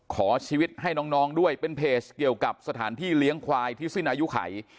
ขอชีวิตให้น้องด้วยเป็นเพจเกี่ยวกับสถานที่เลี้ยงควายที่สิ้นอายุไข